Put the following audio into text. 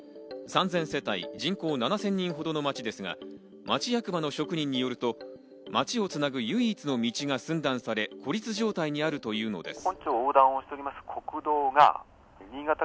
３０００世帯、人口７０００人ほどの街ですが、町役場の職員によると、町をつなぐ唯一の道が寸断され、孤立状態にあるというのです。